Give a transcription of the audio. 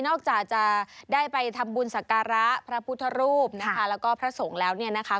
นอกจะได้ไปทำบุญศักราสภ์พระพุทธรูปแล้วก็พระสงฯแล้วเนี่ยนะคะ